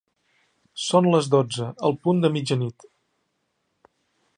Són les dotze, el punt de mitjanit.